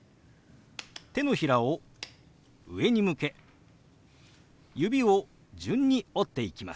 手のひらを上に向け指を順に折っていきます。